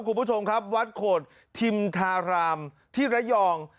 คุณผู้ชมครับวัดโขดทิมธารามที่ระยอง